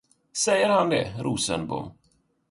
Säger han det, Rosenbom?